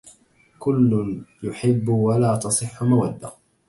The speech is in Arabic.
كل يحب ولا تصح مودة